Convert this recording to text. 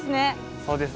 そうですね